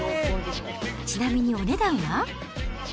ちなみにお値段は？